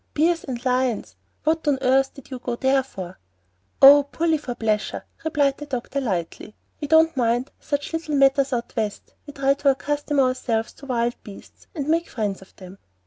Bears and lions! What on earth did you go there for?" "Oh, purely for pleasure," replied the doctor, lightly. "We don't mind such little matters out West. We try to accustom ourselves to wild beasts, and make friends of them."